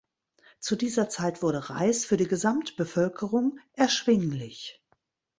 Zu dieser Zeit wurde Reis für die Gesamtbevölkerung erschwinglich.